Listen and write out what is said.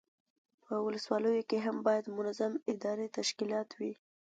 په ولسوالیو کې هم باید منظم اداري تشکیلات وي.